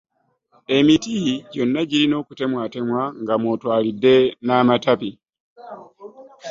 Emiti gyonna girina okutemwatemwa, nga mw’otwalidde n’amatabi.